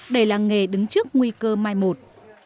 đầy làng nghề đứng trước nguy cơ mai một